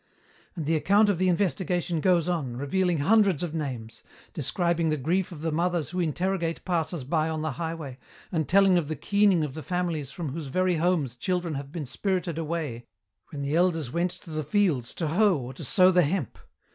"And the account of the investigation goes on, revealing hundreds of names, describing the grief of the mothers who interrogate passersby on the highway, and telling of the keening of the families from whose very homes children have been spirited away when the elders went to the fields to hoe or to sow the hemp.